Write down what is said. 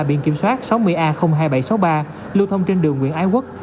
biển kiểm soát sáu mươi a hai nghìn bảy trăm sáu mươi ba lưu thông trên đường nguyễn ái quốc